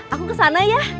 aku kesana yah